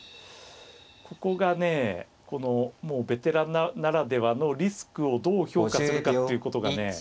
ここがねもうベテランならではのリスクをどう評価するかっていうことがね